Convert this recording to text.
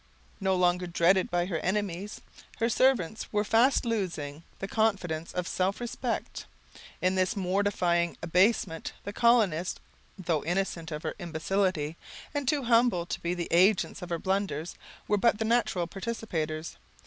No longer dreaded by her enemies, her servants were fast losing the confidence of self respect. In this mortifying abasement, the colonists, though innocent of her imbecility, and too humble to be the agents of her blunders, were but the natural participators.